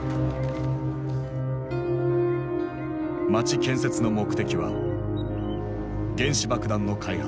街建設の目的は原子爆弾の開発。